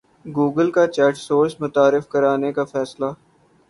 Google کا chat service متعارف کرانے کا فیصلہ